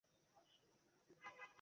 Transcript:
প্যারিসে একটি প্রযুক্তি সম্মেলন আছে।